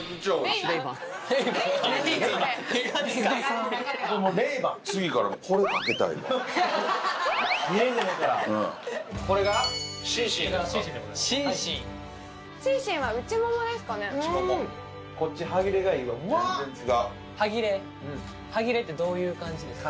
全然違う歯切れってどういう感じですか？